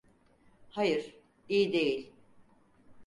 Hayır, iyi değil.